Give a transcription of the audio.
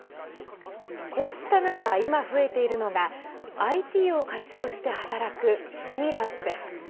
こうした中、今増えているのがＩＴを活用して働くフリーランスです。